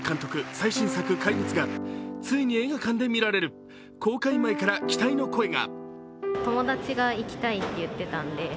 最新作「怪物」がついに映画館で見られる公開前から期待の声が。